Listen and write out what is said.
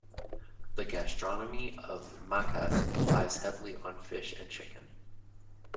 The gastronomy of Macas relies heavily on fish and chicken.